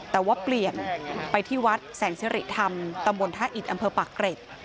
แต่ว่าเปลี่ยนไปที่วัดแสสตรีดำตามวนถ้าอิทอำเภอปะเกล็ด